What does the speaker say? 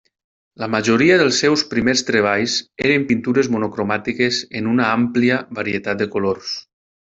La majoria dels seus primers treballs eren pintures monocromàtiques en una àmplia varietat de colors.